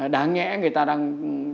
đáng nhẽ người ta đang